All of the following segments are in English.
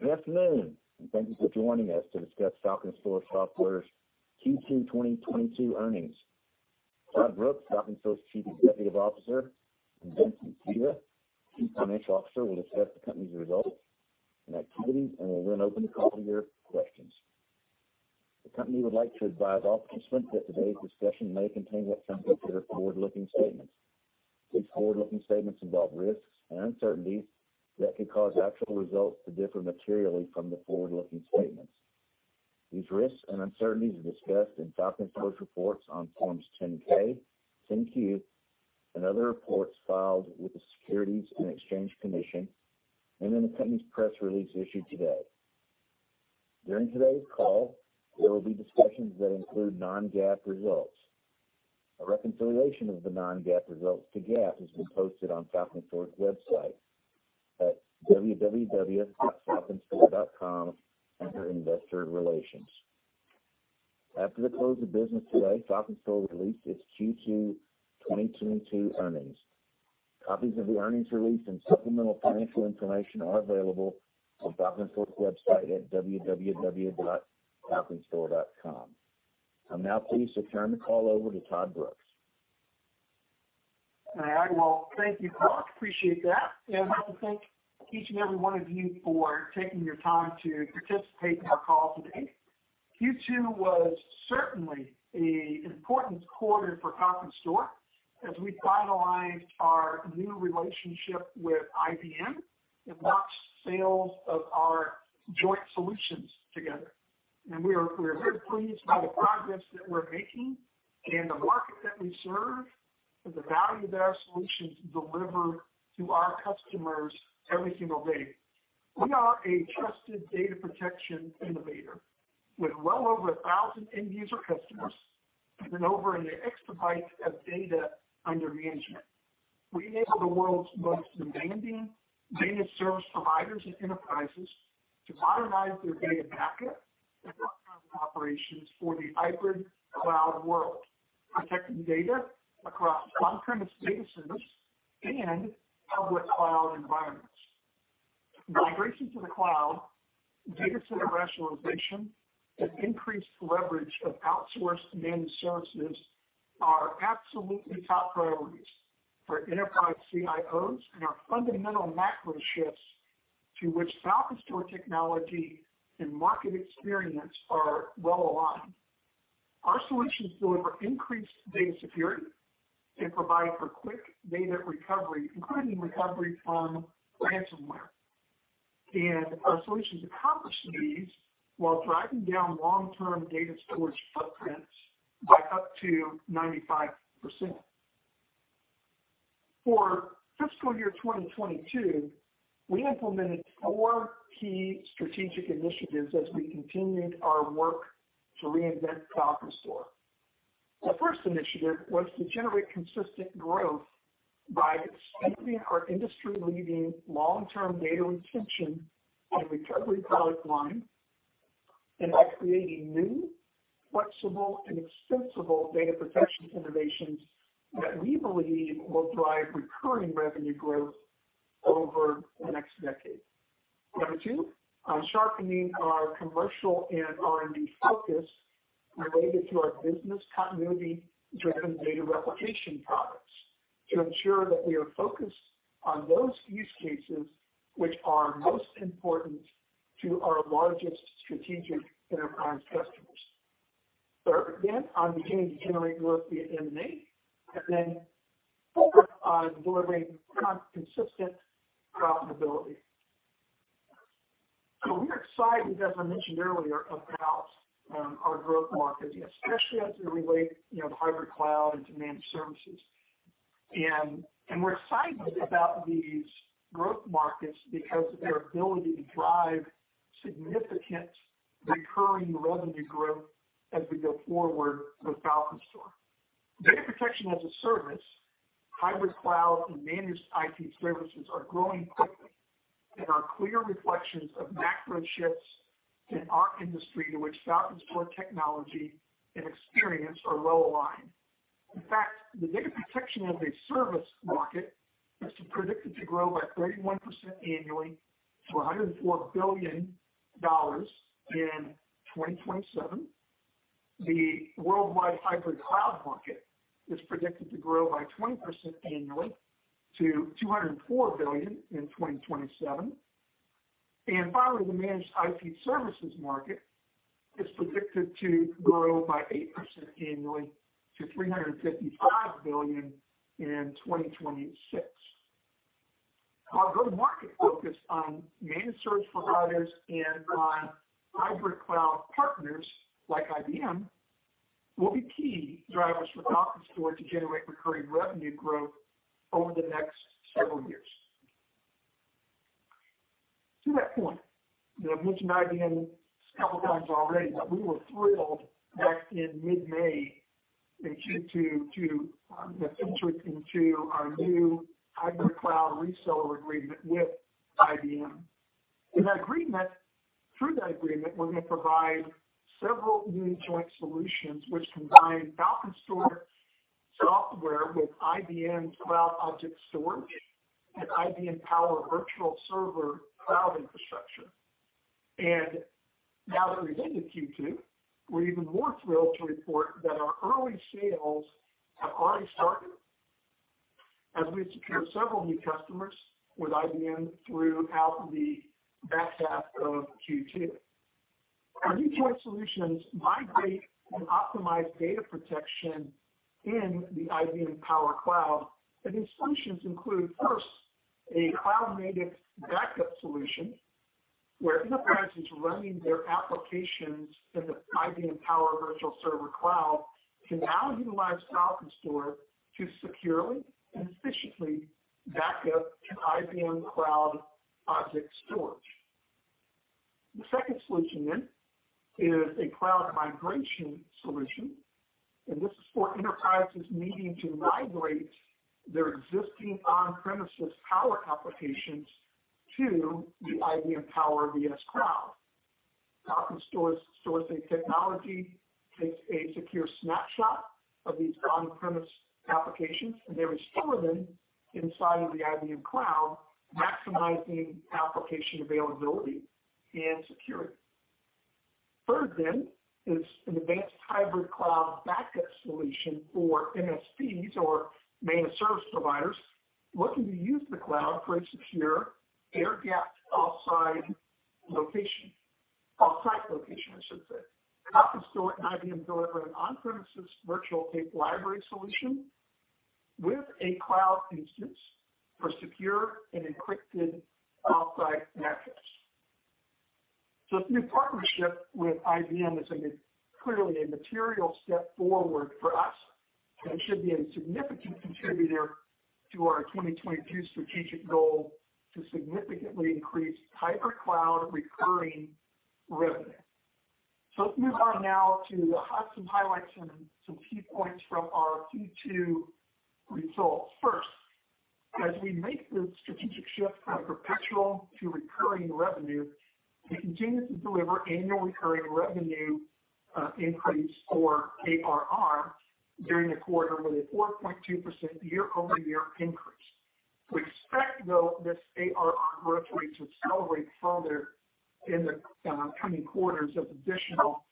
Good afternoon, and thank you for joining us to discuss FalconStor Software's Q2 2022 earnings. Todd Brooks, FalconStor Chief Executive Officer, and Vincent Sita, Chief Financial Officer, will discuss the company's results and activities, and we'll then open the call to your questions. The company would like to advise all participants that today's discussion may contain what some may consider forward-looking statements. These forward-looking statements involve risks and uncertainties that could cause actual results to differ materially from the forward-looking statements. These risks and uncertainties are discussed in FalconStor reports on Forms 10-K, 10-Q, and other reports filed with the Securities and Exchange Commission, and in the company's press release issued today. During today's call, there will be discussions that include non-GAAP results. A reconciliation of the non-GAAP results to GAAP has been posted on FalconStor's website at www.falconstor.com under Investor Relations. After the close of business today, FalconStor released its Q2 2022 earnings. Copies of the earnings release and supplemental financial information are available on FalconStor's website at www.falconstor.com. I'm now pleased to turn the call over to Todd Brooks. I will. Thank you, Clark. Appreciate that. I want to thank each and every one of you for taking your time to participate in our call today. Q2 was certainly an important quarter for FalconStor as we finalized our new relationship with IBM and launched sales of our joint solutions together. We are very pleased by the progress that we're making in the market that we serve, and the value that our solutions deliver to our customers every single day. We are a trusted data protection innovator with well over 1,000 end user customers and over an exabyte of data under management. We enable the world's most demanding data service providers and enterprises to modernize their data backup and operations for the hybrid cloud world, protecting data across on-premise data centers and public cloud environments. Migration to the cloud, data center rationalization, and increased leverage of outsourced managed services are absolutely top priorities for enterprise CIOs, and are fundamental macro shifts to which FalconStor technology and market experience are well aligned. Our solutions deliver increased data security and provide for quick data recovery, including recovery from ransomware. Our solutions accomplish these while driving down long-term data storage footprints by up to 95%. For fiscal year 2022, we implemented four key strategic initiatives as we continued our work to reinvent FalconStor. The first initiative was to generate consistent growth by expanding our industry-leading long-term data retention and recovery product line, and by creating new, flexible, and extensible data protection innovations that we believe will drive recurring revenue growth over the next decade. Number two, on sharpening our commercial and R&D focus related to our business continuity-driven data replication products to ensure that we are focused on those use cases which are most important to our largest strategic enterprise customers. Third, again, on beginning to generate growth via M&A. Four, on delivering consistent profitability. We're excited, as I mentioned earlier, about our growth markets, especially as it relates, you know, to hybrid cloud and managed services. We're excited about these growth markets because of their ability to drive significant recurring revenue growth as we go forward with FalconStor. Data protection as a service, hybrid cloud, and managed IT services are growing quickly and are clear reflections of macro shifts in our industry to which FalconStor technology and experience are well aligned. In fact, the data protection as a service market is predicted to grow by 31% annually to $104 billion in 2027. The worldwide hybrid cloud market is predicted to grow by 20% annually to $204 billion in 2027. Finally, the managed IT services market is predicted to grow by 8% annually to $355 billion in 2026. Our go-to-market focus on managed service providers and on hybrid cloud partners like IBM will be key drivers for FalconStor to generate recurring revenue growth over the next several years. To that point, you know, I've mentioned IBM several times already, but we were thrilled back in mid-May in Q2 to enter into our new hybrid cloud reseller agreement with IBM. Through that agreement, we're gonna provide several new joint solutions which combine FalconStor Software with IBM Cloud Object Storage and IBM Power Virtual Server cloud infrastructure. Now that we're into Q2, we're even more thrilled to report that our early sales have already started as we've secured several new customers with IBM throughout the back half of Q2. Our new joint solutions migrate and optimize data protection in the IBM Power Virtual Server, and these solutions include, first, a cloud-native backup solution where enterprises running their applications in the IBM Power Virtual Server can now utilize FalconStor to securely and efficiently back up to IBM Cloud Object Storage. The second solution is a cloud migration solution, and this is for enterprises needing to migrate their existing on-premises Power applications to the IBM Power Virtual Server. FalconStor's StorSafe technology takes a secure snapshot of these on-premise applications, and they restore them inside of the IBM Cloud, maximizing application availability and security. Third then is an advanced hybrid cloud backup solution for MSPs or managed service providers looking to use the cloud for a secure air-gapped off-site location, I should say. FalconStor and IBM deliver an on-premises virtual tape library solution with a cloud instance for secure and encrypted off-site backups. This new partnership with IBM is clearly a material step forward for us and should be a significant contributor to our 2022 strategic goal to significantly increase hybrid cloud recurring revenue. Let's move on now to some highlights and some key points from our Q2 results. First, as we make the strategic shift from perpetual to recurring revenue, we continuously deliver annual recurring revenue increase or ARR during the quarter with a 4.2% year-over-year increase. We expect, though, this ARR growth rate to accelerate further in the coming quarters as additional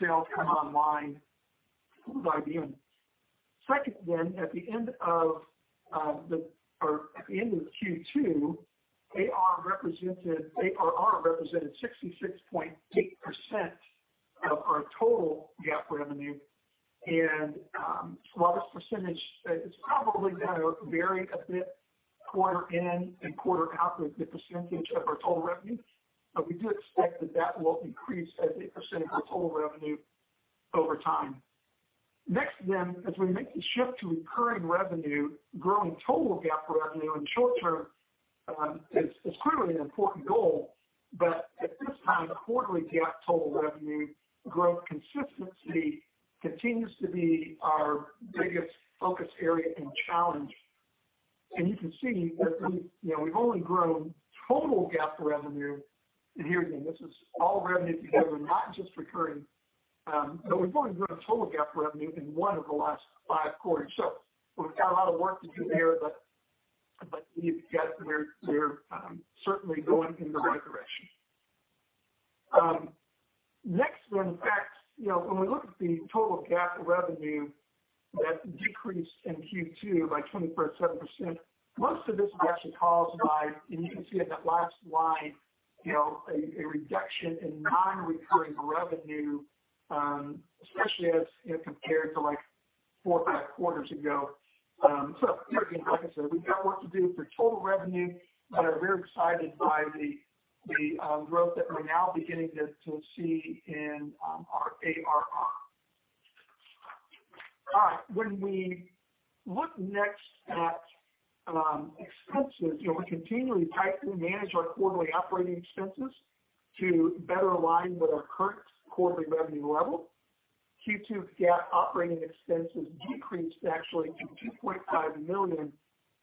sales come online with IBM. Second, at the end of Q2, ARR represented 66.8% of our total GAAP revenue. While this percentage is probably gonna vary a bit quarter in and quarter out as a percentage of our total revenue, but we do expect that will increase as a percent of our total revenue over time. Next, as we make the shift to recurring revenue, growing total GAAP revenue in short term is clearly an important goal. At this time, quarterly GAAP total revenue growth consistency continues to be our biggest focus area and challenge. You can see that we, you know, we've only grown total GAAP revenue, and here again, this is all revenue together, not just recurring. We've only grown total GAAP revenue in one of the last five quarters. We've got a lot of work to do there, but we're certainly going in the right direction. Next then, in fact, you know, when we look at the total GAAP revenue that decreased in Q2 by 20.7%, most of this was actually caused by, and you can see in that last line, you know, a reduction in non-recurring revenue, especially as, you know, compared to, like, four or five quarters ago. Here again, like I said, we've got work to do for total revenue, but are very excited by the growth that we're now beginning to see in our ARR. All right. When we look next at expenses, you know, we continually tightly manage our quarterly operating expenses to better align with our current quarterly revenue level. Q2 GAAP operating expenses decreased actually to $2.5 million,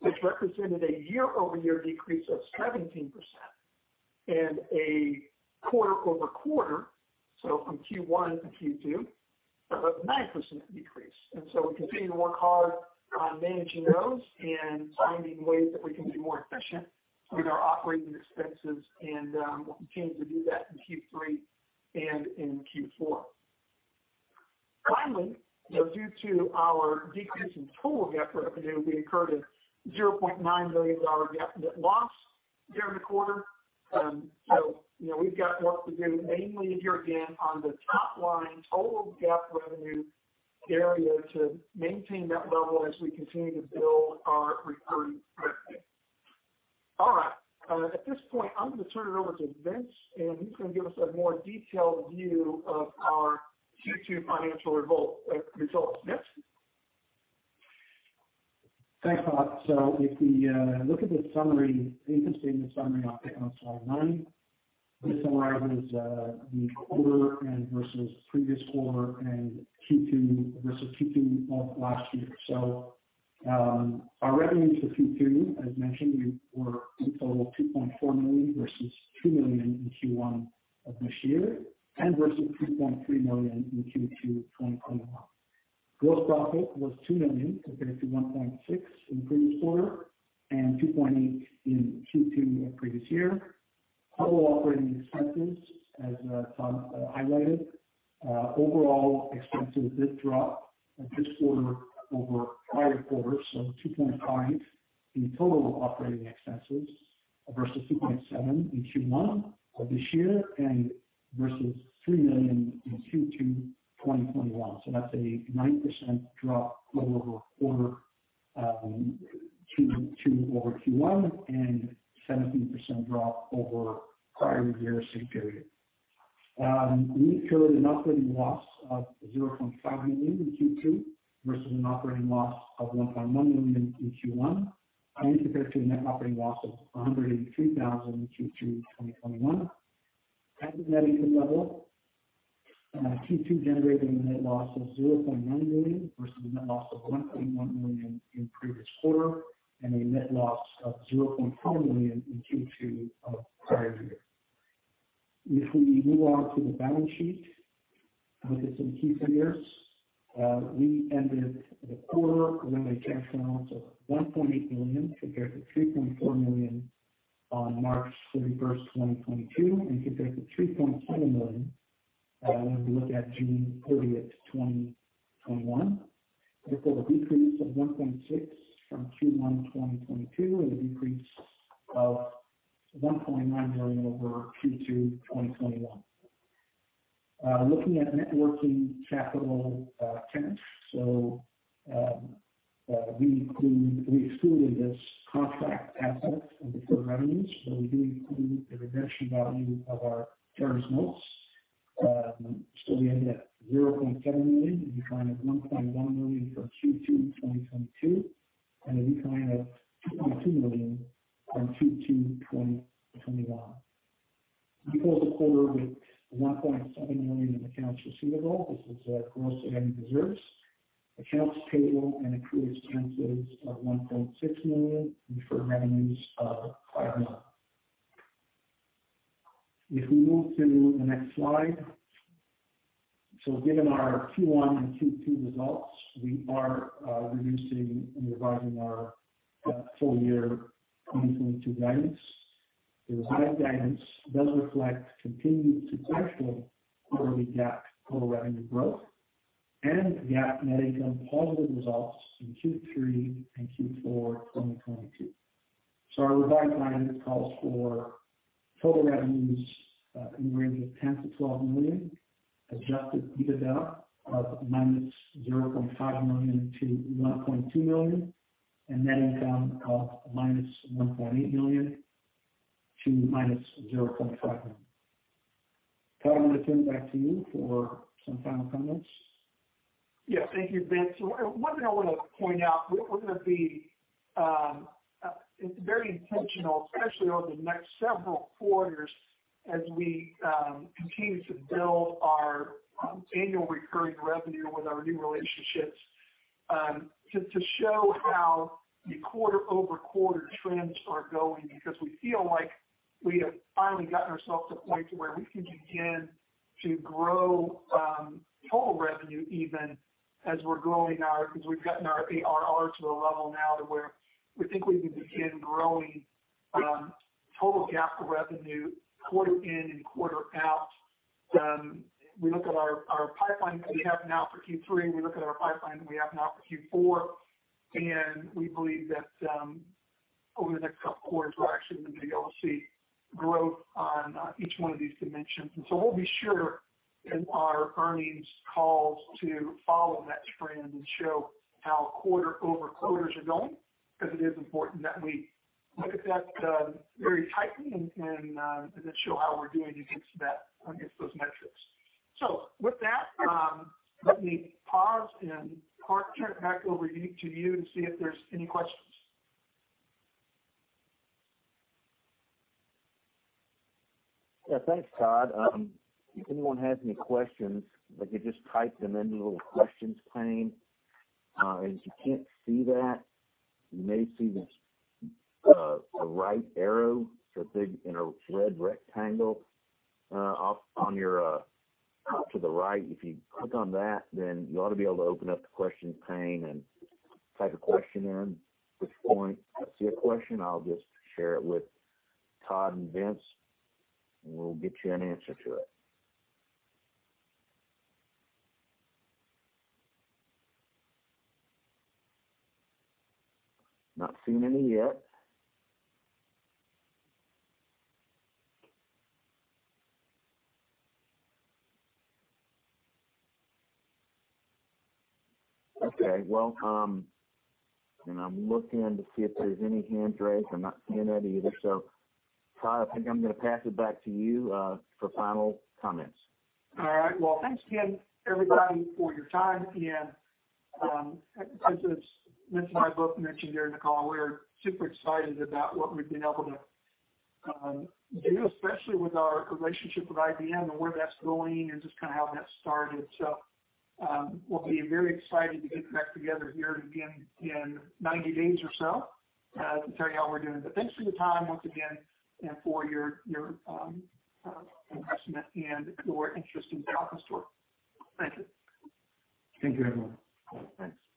which represented a year-over-year decrease of 17% and a quarter-over-quarter, so from Q1 to Q2, a 9% decrease. We continue to work hard on managing those and finding ways that we can be more efficient with our operating expenses and we'll continue to do that in Q3 and in Q4. Finally, you know, due to our decrease in total GAAP revenue, we incurred a $0.9 million GAAP net loss during the quarter. So, you know, we've got work to do mainly here again on the top line total GAAP revenue area to maintain that level as we continue to build our recurring revenue. All right. At this point, I'm gonna turn it over to Vince, and he's gonna give us a more detailed view of our Q2 financial results. Vince? Thanks, Todd. If we look at the summary, income statement summary update on slide nine, this summarizes the quarter and versus previous quarter and Q2 versus Q2 of last year. Our revenues for Q3, as mentioned, we were in total of $2.4 million versus $2 million in Q1 of this year and versus $3.3 million in Q2 2021. Gross profit was $2 million compared to $1.6 million in previous quarter and $2.8 million in Q2 of previous year. Total operating expenses, as Todd highlighted. Overall expenses did drop in this quarter over prior quarter. $2.5 million in total operating expenses versus $2.7 million in Q1 of this year and versus $3 million in Q2 2021. That's a 9% drop quarter-over-quarter, Q2 over Q1 and 17% drop over prior-year same period. We incurred an operating loss of $0.5 million in Q2 versus an operating loss of $1.1 million in Q1, compared to a net operating loss of $103,000 in Q2 2021. At the net income level, Q2 generated a net loss of $0.9 million versus a net loss of $1.1 million in previous quarter, and a net loss of $0.4 million in Q2 of prior year. If we move on to the balance sheet, look at some key figures. We ended the quarter with a cash balance of $1.8 million compared to $3.4 million on March 31, 2022, and compared to $3.2 million when we look at June 30, 2021. Therefore, a decrease of $1.6 million from Q1 2022, and a decrease of $1.9 million over Q2 2021. Looking at net working capital, net assets. We exclude in this contract assets and deferred revenues. We do include the redemption value of our Series A notes. We ended at $0.7 million, a decline of $1.1 million from Q2 2022, and a decline of $2.2 million from Q2 2021. We closed the quarter with $1.7 million in accounts receivable. This is gross and reserves. Accounts payable and accrued expenses of $1.6 million. Deferred revenues of $5 million. If we move to the next slide. Given our Q1 and Q2 results, we are reducing and revising our full year 2022 guidance. The revised guidance does reflect continued sequential quarterly GAAP total revenue growth and GAAP net income positive results in Q3 and Q4, 2022. Our revised guidance calls for total revenues in the range of $10 million-$12 million, Adjusted EBITDA of -$0.5 million to $1.2 million, and net income of -$1.8 million to $0.5 million. Todd, I'm gonna turn it back to you for some final comments. Yeah. Thank you, Vince. One thing I wanna point out, we're gonna be, it's very intentional, especially over the next several quarters as we continue to build our annual recurring revenue with our new relationships, to show how the quarter-over-quarter trends are going because we feel like we have finally gotten ourselves to a point to where we can begin to grow total revenue even as we're growing our. Because we've gotten our ARR to a level now to where we think we can begin growing total GAAP revenue quarter-in and quarter-out. We look at our pipeline that we have now for Q3, and we look at our pipeline that we have now for Q4, and we believe that over the next couple of quarters, we're actually gonna be able to see growth on each one of these dimensions. We'll be sure in our earnings calls to follow that trend and show how quarter-over-quarter are going, because it is important that we look at that very tightly and then show how we're doing against that, against those metrics. With that, let me pause and, Hart, turn it back over to you to see if there's any questions. Yeah. Thanks, Todd. If anyone has any questions, if you could just type them into the little questions pane. If you can't see that, you may see this, a right arrow, it's a big, in a red rectangle, off on your, off to the right. If you click on that, then you ought to be able to open up the questions pane and type a question in. Which point I see a question, I'll just share it with Todd and Vince, and we'll get you an answer to it. Not seeing any yet. Okay. Well, I'm looking to see if there's any hands raised. I'm not seeing that either. Todd, I think I'm gonna pass it back to you, for final comments. All right. Well, thanks again, everybody, for your time. As Vince and I both mentioned during the call, we're super excited about what we've been able to do, especially with our relationship with IBM and where that's going and just kinda how that started. We'll be very excited to get back together here again in 90 days or so to tell you how we're doing. Thanks for the time once again and for your investment and your interest in FalconStor. Thank you. Thank you, everyone. Thanks.